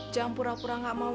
jangan pura pura gak mau